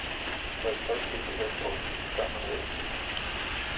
Vai saistība ir ar politiku, kā man liekas?